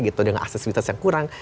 gitu dengan aksesibilitas yang kurang